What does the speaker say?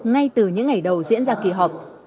ngay từ những ngày đầu diễn ra kỳ họp